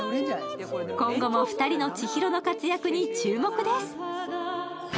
今後も２人の千尋の活躍に注目です